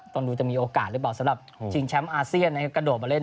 ตอนนี้จะมีโอกาสรึเปล่าสำหรับชิงแชมป์อาเซียนกระโดดมาเล่น